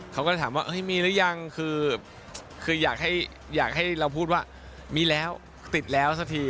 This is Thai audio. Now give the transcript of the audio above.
เขาก็เลยถามว่ามีหรือยังคืออยากให้เราพูดว่ามีแล้วติดแล้วสักที